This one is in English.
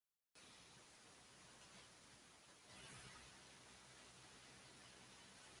The speaker drew a striking illustration of how the republicans worked the protection racket.